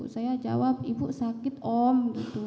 saya jawab ibu sakit om